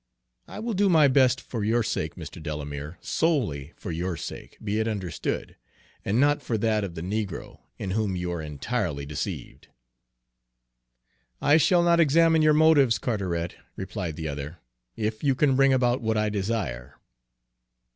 I will do my best, for your sake, Mr. Delamere, solely for your sake, be it understood, and not for that of the negro, in whom you are entirely deceived." "I shall not examine your motives, Carteret," replied the other, "if you can bring about what I desire."